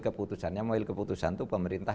keputusan yang mengambil keputusan itu pemerintah